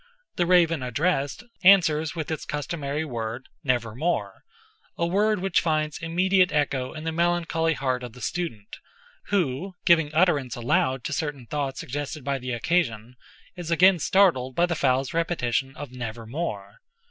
The raven addressed, answers with its customary word, "Nevermore"—a world which finds immediate echo in the melancholy heart of the student, who, giving utterance aloud to certain thoughts suggested by the occasion, is again startled by the fowl's repetition of "Nevermore."